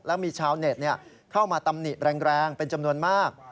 แล้วมีชาวเน็ตเข้ามาตำหนิแรงเป็นจำนวนมาก